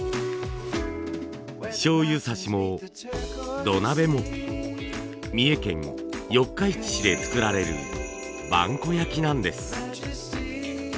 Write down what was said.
醤油さしも土鍋も三重県四日市市で作られる萬古焼なんです。